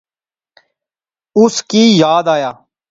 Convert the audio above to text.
اس کی یاد آیا